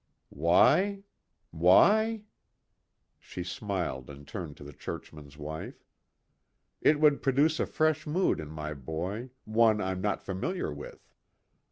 "Why why?" She smiled and turned to the churchman's wife. "It would produce a fresh mood in my boy, one I'm not familiar with."